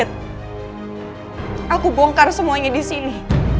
pokoknya aku bohong karena semuanya disini